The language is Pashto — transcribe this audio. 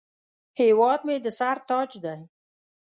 هیواد مې د سر تاج دی